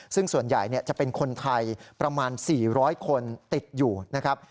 ซึ่งส่วนใหญ่จะเป็นคนไทยประมาณ๔๐๐คนติดอยู่นะครับ